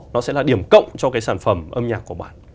nó sẽ là điểm cộng cho cái sản phẩm âm nhạc của bạn